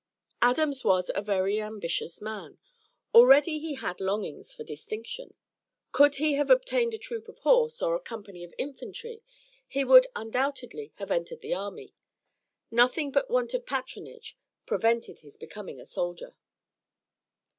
Adams was a very ambitious man; already he had longings for distinction. Could he have obtained a troop of horse, or a company of infantry, he would undoubtedly have entered the army. Nothing but want of patronage prevented his becoming a soldier.